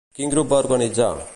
Quin grup va organitzar?